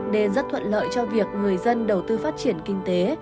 nên rất thuận lợi cho việc người dân đầu tư phát triển kinh tế